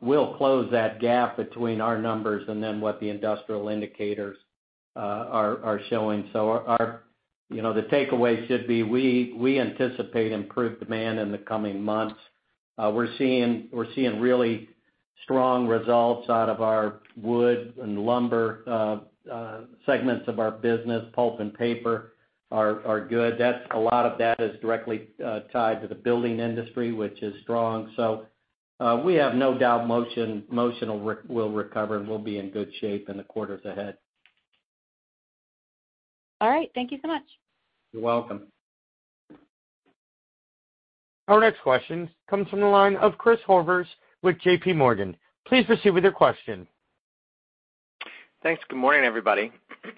we'll close that gap between our numbers and then what the industrial indicators are showing. The takeaway should be, we anticipate improved demand in the coming months. We're seeing really strong results out of our Wood & Lumber segments of our business. Pulp & Paper are good. A lot of that is directly tied to the building industry, which is strong. We have no doubt Motion will recover, and we'll be in good shape in the quarters ahead. All right. Thank you so much. You're welcome. Our next question comes from the line of Chris Horvers with JPMorgan. Please proceed with your question. Thanks. Good morning, everybody.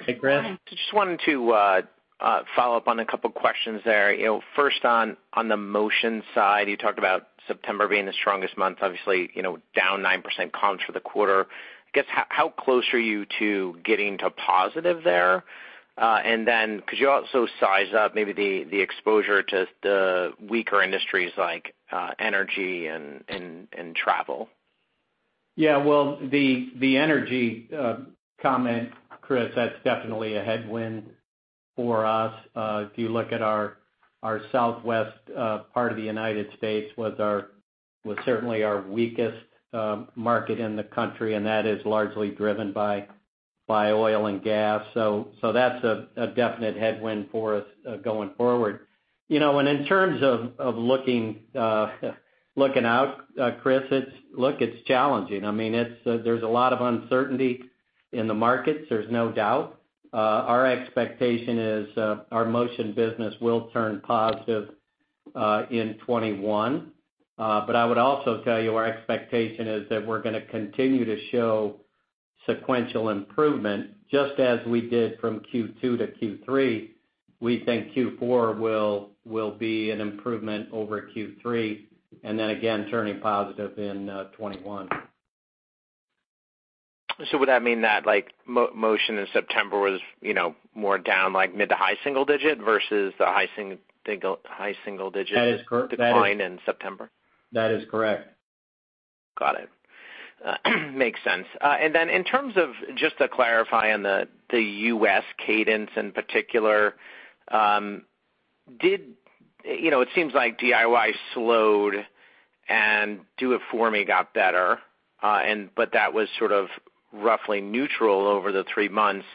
Hey, Chris. Good morning. Just wanted to follow up on a couple questions there. First on the Motion side, you talked about September being the strongest month. Obviously, down 9% comps for the quarter. I guess, how close are you to getting to positive there? Could you also size up maybe the exposure to the weaker industries like energy and travel? Well, the energy comment, Chris, that's definitely a headwind for us. If you look at our southwest part of the United States was certainly our weakest market in the country, and that is largely driven by oil and gas. That's a definite headwind for us going forward. In terms of looking out, Chris, look, it's challenging. There's a lot of uncertainty in the markets, there's no doubt. Our expectation is our Motion business will turn positive in 2021. I would also tell you our expectation is that we're going to continue to show sequential improvement, just as we did from Q2 to Q3. We think Q4 will be an improvement over Q3, and then again turning positive in 2021. Would that mean that Motion in September was more down like mid to high single-digit versus the high single-digit? That is correct. Decline in September? That is correct. Got it. Makes sense. In terms of, just to clarify on the U.S. cadence in particular, it seems like DIY slowed and DIFM got better. That was sort of roughly neutral over the three months.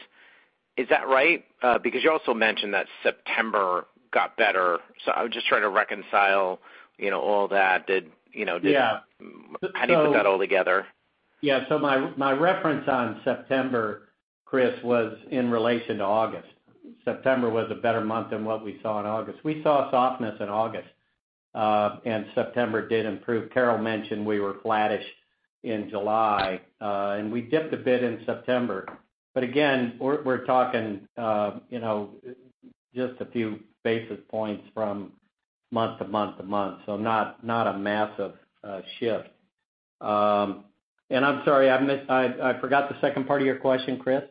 Is that right? You also mentioned that September got better. I was just trying to reconcile all that. Yeah. How do you put that all together? Yeah. My reference on September, Chris, was in relation to August. September was a better month than what we saw in August. We saw softness in August. September did improve. Carol mentioned we were flattish in July. We dipped a bit in September. Again, we're talking just a few basis points from month to month to month, so not a massive shift. I'm sorry, I forgot the second part of your question, Chris.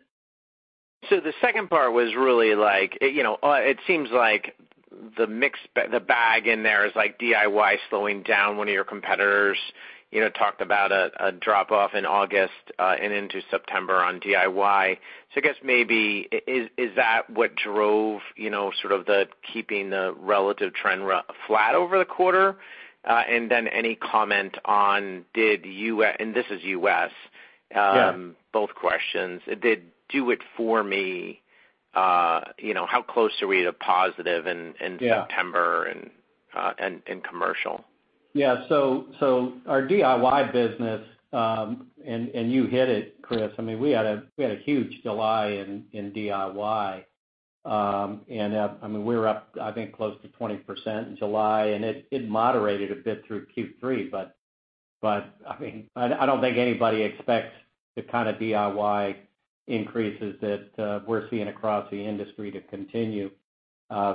The second part was really, it seems like the drag in there is DIY slowing down. One of your competitors talked about a drop-off in August and into September on DIY. I guess maybe is that what drove sort of the keeping the relative trend flat over the quarter? Any comment on did U.S. Yeah. Both questions. Did do it for me, how close are we to positive in? Yeah. September and commercial? Yeah. Our DIY business, you hit it, Chris. We had a huge July in DIY. We were up, I think, close to 20% in July, and it moderated a bit through Q3, but I don't think anybody expects the kind of DIY increases that we're seeing across the industry to continue.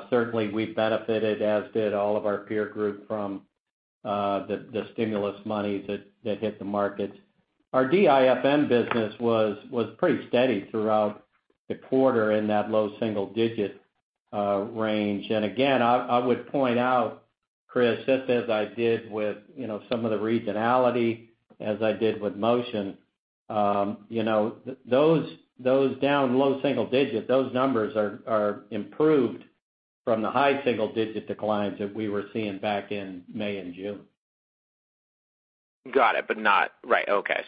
Certainly we benefited, as did all of our peer group, from the stimulus money that hit the markets. Our DIFM business was pretty steady throughout the quarter in that low single-digit range. Again, I would point out, Chris, just as I did with some of the regionality, as I did with Motion. Those down low single-digit, those numbers are improved from the high single-digit declines that we were seeing back in May and June. Got it. Right, okay.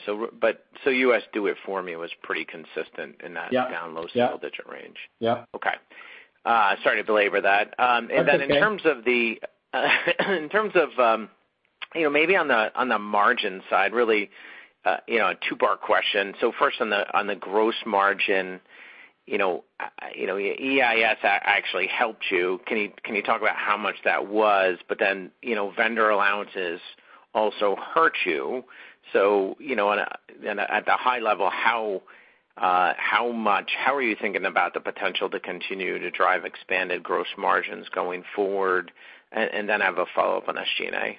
U.S. do it for me was pretty consistent in that. Yeah. Down low single-digit range. Yeah. Okay. Sorry to belabor that. That's okay. Maybe on the margin side, really a two-part question. First on the gross margin, EIS actually helped you. Can you talk about how much that was? Vendor allowances also hurt you. At the high level, how are you thinking about the potential to continue to drive expanded gross margins going forward? I have a follow-up on SG&A.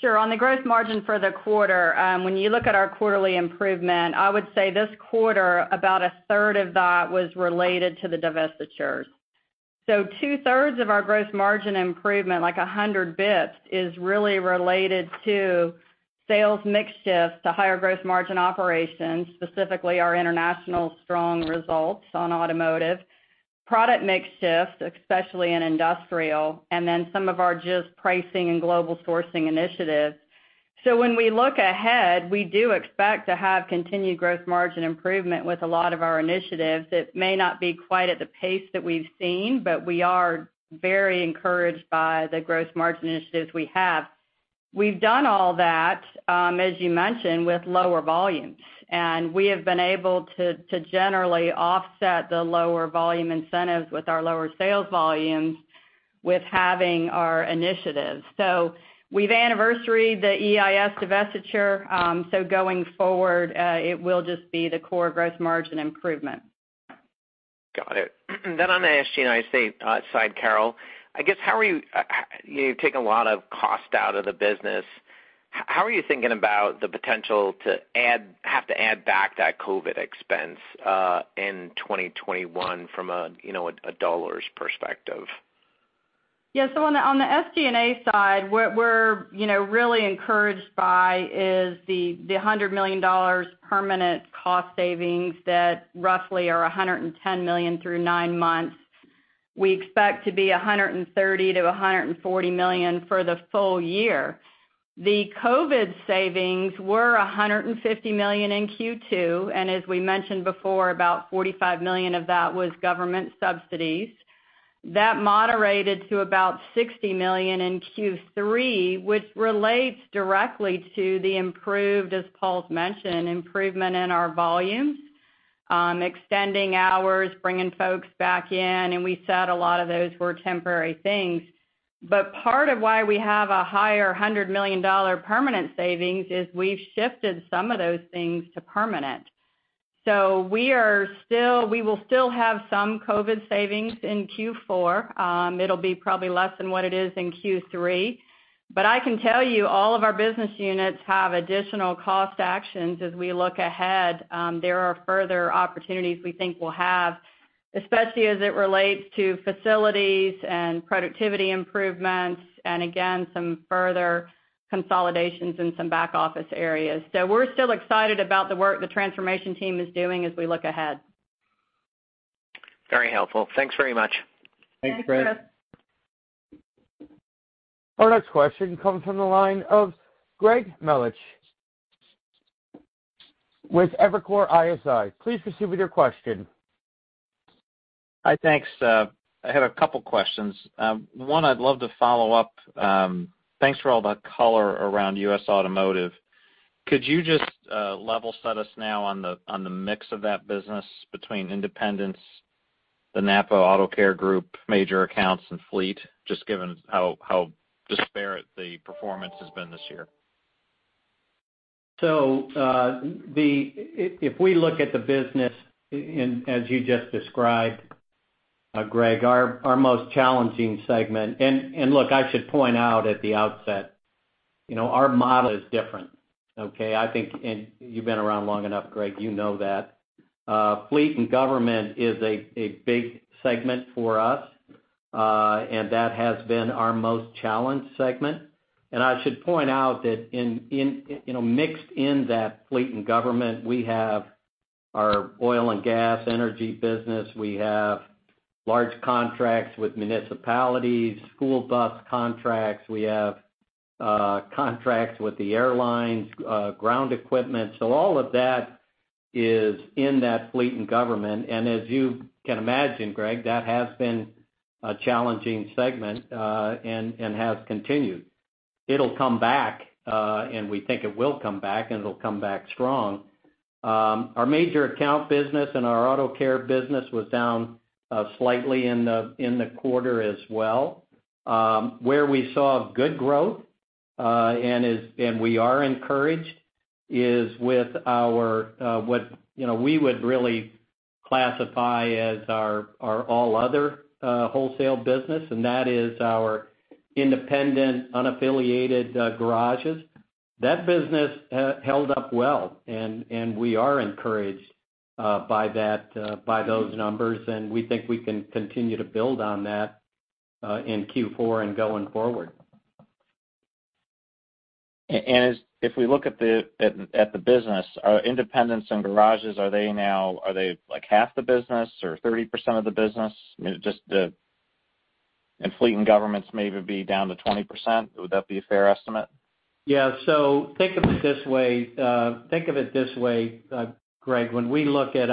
Sure. On the gross margin for the quarter, when you look at our quarterly improvement, I would say this quarter, about a third of that was related to the divestitures. Two-thirds of our gross margin improvement, like 100 basis points, is really related to sales mix shift to higher gross margin operations, specifically our international strong results on automotive. Product mix shift, especially in industrial, and then some of our just pricing and global sourcing initiatives. When we look ahead, we do expect to have continued gross margin improvement with a lot of our initiatives. It may not be quite at the pace that we've seen, but we are very encouraged by the gross margin initiatives we have. We've done all that, as you mentioned, with lower volumes. We have been able to generally offset the lower volume incentives with our lower sales volumes with having our initiatives. We've anniversaried the EIS divestiture, so going forward, it will just be the core gross margin improvement. Got it. On the SG&A side, Carol, you've taken a lot of cost out of the business. How are you thinking about the potential to have to add back that COVID expense in 2021 from a dollars perspective? On the SG&A side, what we're really encouraged by is the $100 million permanent cost savings that roughly are $110 million through nine months. We expect to be $130 million-$140 million for the full year. The COVID-19 savings were $150 million in Q2, and as we mentioned before, about $45 million of that was government subsidies. That moderated to about $60 million in Q3, which relates directly to the improved, as Paul's mentioned, improvement in our volumes, extending hours, bringing folks back in, and we said a lot of those were temporary things. Part of why we have a higher $100 million permanent savings is we've shifted some of those things to permanent. We will still have some COVID-19 savings in Q4. It'll be probably less than what it is in Q3. I can tell you, all of our business units have additional cost actions as we look ahead. There are further opportunities we think we'll have, especially as it relates to facilities and productivity improvements, and again, some further consolidations in some back office areas. We're still excited about the work the transformation team is doing as we look ahead. Very helpful. Thanks very much. Thanks, Chris. Thanks, Chris. Our next question comes from the line of Greg Melich with Evercore ISI. Please proceed with your question. Hi, thanks. I have a couple questions. One I'd love to follow up. Thanks for all the color around U.S. automotive. Could you just level set us now on the mix of that business between independents, the NAPA Auto Care group, major accounts, and fleet, just given how disparate the performance has been this year? If we look at the business, as you just described, Greg, our most challenging segment. Look, I should point out at the outset, our model is different, okay? You've been around long enough, Greg, you know that. Fleet and government is a big segment for us, and that has been our most challenged segment. I should point out that mixed in that fleet and government, we have our oil and gas energy business. We have large contracts with municipalities, school bus contracts. We have contracts with the airlines, ground equipment. All of that is in that fleet and government, and as you can imagine, Greg, that has been a challenging segment, and has continued. It'll come back, and we think it will come back, and it'll come back strong. Our major account business and our Auto Care business was down slightly in the quarter as well. Where we saw good growth, and we are encouraged, is with what we would really classify as our all other wholesale business, and that is our independent, unaffiliated garages. That business held up well, and we are encouraged by those numbers, and we think we can continue to build on that in Q4 and going forward. If we look at the business, independents and garages, are they now half the business or 30% of the business? Fleet and governments may even be down to 20%. Would that be a fair estimate? Think of it this way, Greg. When we look at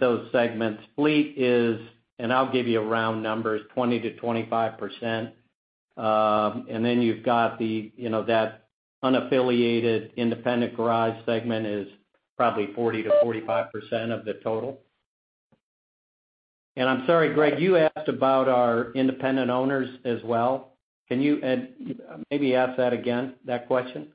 those segments, fleet is, and I'll give you round numbers, 20%-25%. Then you've got that unaffiliated independent garage segment is probably 40%-45% of the total. I'm sorry, Greg, you asked about our independent owners as well. Can you maybe ask that again, that question?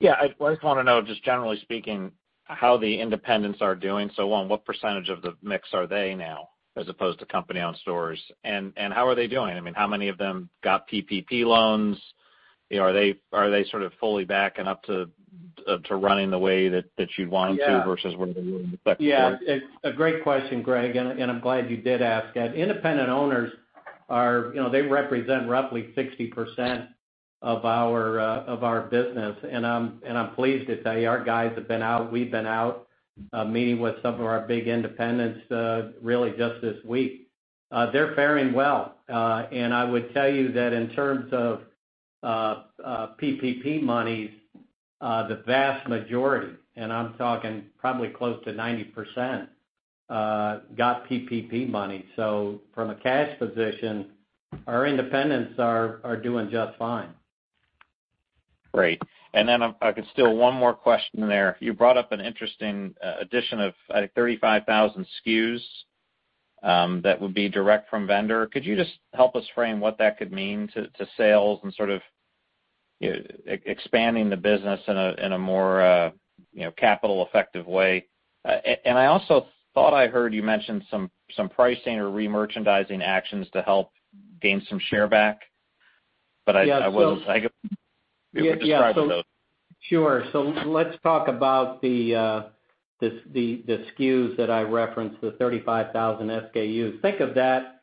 Yeah. I just want to know, just generally speaking, how the independents are doing. One, what percentage of the mix are they now, as opposed to company-owned stores? How are they doing? How many of them got PPP loans? Are they sort of fully back and up to running the way that you'd want them to versus where they were in the second quarter? Yeah. A great question, Greg, and I'm glad you did ask that. Independent owners represent roughly 60% of our business, and I'm pleased to tell you our guys have been out, we've been out meeting with some of our big independents really just this week. They're fairing well. I would tell you that in terms of PPP monies, the vast majority, and I'm talking probably close to 90%, got PPP money. From a cash position, our independents are doing just fine. Great. If I could steal one more question there. You brought up an interesting addition of, I think, 35,000 SKUs that would be direct from vendor. Could you just help us frame what that could mean to sales and sort of expanding the business in a more capital-effective way? I also thought I heard you mention some pricing or re-merchandising actions to help gain some share back. I wasn't. Yeah. If you could describe those. Sure. Let's talk about the SKUs that I referenced, the 35,000 SKUs. Think of that,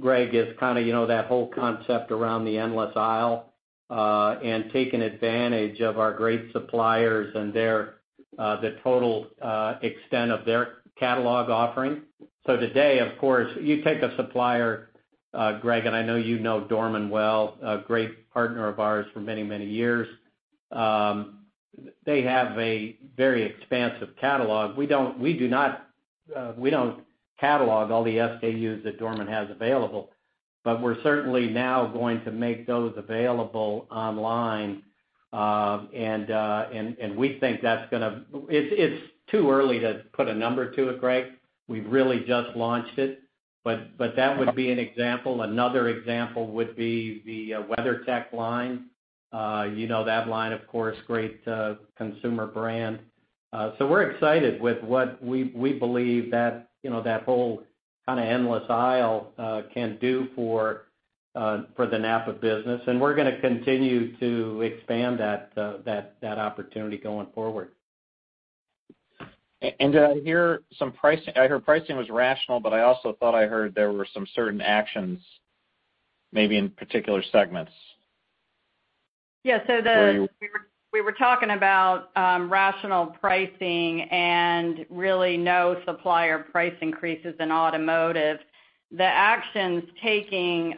Greg, as kind of that whole concept around the endless aisle, and taking advantage of our great suppliers and the total extent of their catalog offering. Today, of course, you take a supplier, Greg, and I know you know Dorman well, a great partner of ours for many, many years. They have a very expansive catalog. We don't catalog all the SKUs that Dorman has available. We're certainly now going to make those available online, and we think it's too early to put a number to it, Greg. We've really just launched it. That would be an example. Another example would be the WeatherTech line. You know that line, of course, great consumer brand. We're excited with what we believe that whole kind of endless aisle can do for the NAPA business, and we're going to continue to expand that opportunity going forward. Did I hear some pricing? I heard pricing was rational, but I also thought I heard there were some certain actions, maybe in particular segments. We were talking about rational pricing and really no supplier price increases in automotive. The actions taking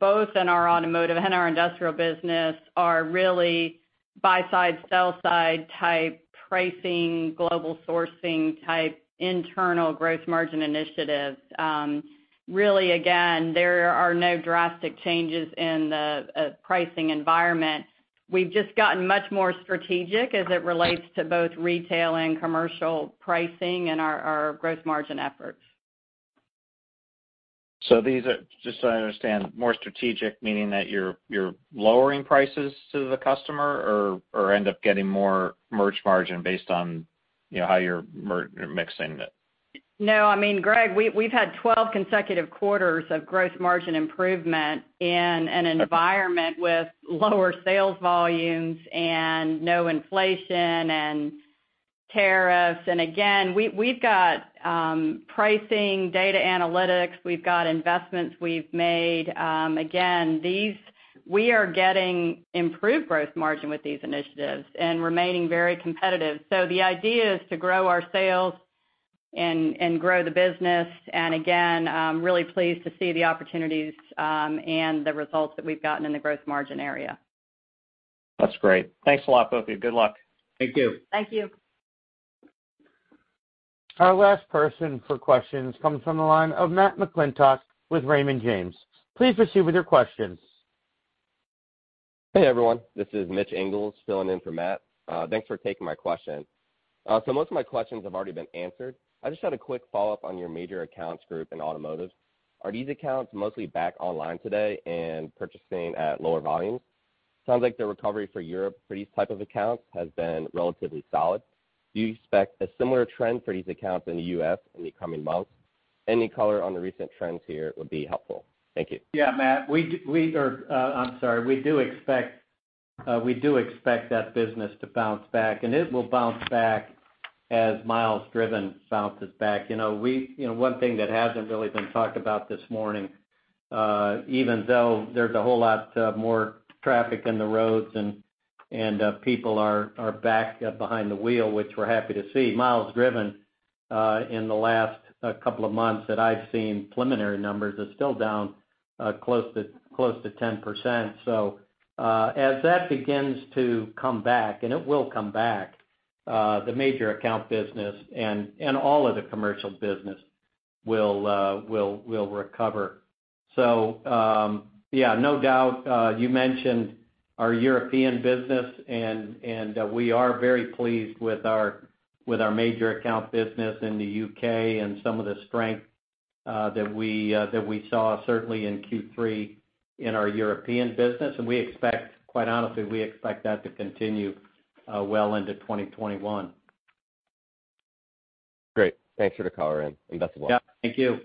both in our automotive and our industrial business are really buy-side, sell-side type pricing, global sourcing type internal gross margin initiatives. Really, again, there are no drastic changes in the pricing environment. We've just gotten much more strategic as it relates to both retail and commercial pricing in our gross margin efforts. Just so I understand, more strategic meaning that you're lowering prices to the customer or end up getting more merch margin based on how you're mixing it? No, Greg, we've had 12 consecutive quarters of gross margin improvement in an environment with lower sales volumes and no inflation and tariffs. Again, we've got pricing data analytics. We've got investments we've made. Again, we are getting improved gross margin with these initiatives and remaining very competitive. The idea is to grow our sales and grow the business, and again, I'm really pleased to see the opportunities and the results that we've gotten in the gross margin area. That's great. Thanks a lot, both of you. Good luck. Thank you. Thank you. Our last person for questions comes from the line of Matt McClintock with Raymond James. Please proceed with your questions. Hey, everyone. This is Mitch Ingles filling in for Matt. Thanks for taking my question. Most of my questions have already been answered. I just had a quick follow-up on your major accounts group in automotive. Are these accounts mostly back online today and purchasing at lower volumes? Sounds like the recovery for Europe for these type of accounts has been relatively solid. Do you expect a similar trend for these accounts in the U.S. in the coming months? Any color on the recent trends here would be helpful. Thank you. Yeah, Matt. We do expect that business to bounce back, and it will bounce back as miles driven bounces back. One thing that hasn't really been talked about this morning, even though there's a whole lot more traffic in the roads and people are back behind the wheel, which we're happy to see, miles driven in the last couple of months that I've seen preliminary numbers is still down close to 10%. As that begins to come back, and it will come back, the major account business and all of the commercial business will recover. Yeah, no doubt. You mentioned our European business. We are very pleased with our major account business in the U.K. and some of the strength that we saw certainly in Q3 in our European business. Quite honestly, we expect that to continue well into 2021. Great. Thanks for the color in, and best of luck. Yeah. Thank you.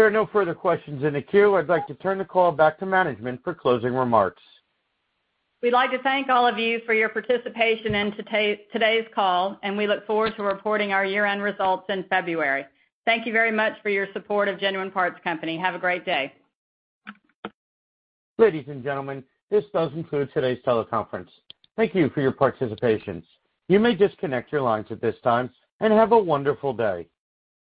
There are no further questions in the queue. I'd like to turn the call back to management for closing remarks. We'd like to thank all of you for your participation in today's call, and we look forward to reporting our year-end results in February. Thank you very much for your support of Genuine Parts Company. Have a great day. Ladies and gentlemen, this does conclude today's teleconference. Thank you for your participation. You may disconnect your lines at this time, and have a wonderful day.